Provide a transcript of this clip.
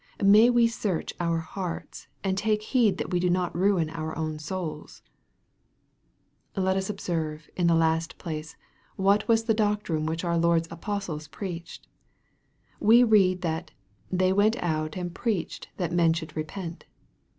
May we search our own hearts, and take heed that we do not ruin our own souls 1 Let us observe, in the last place, what was the doctrine which our Lord's apostles preached. We read that " they went out and preached that men should repent."